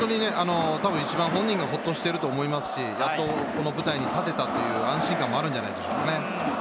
一番本人がホッとしていると思いますし、やっとこの舞台に立てたという安心感もあるのではないでしょうか。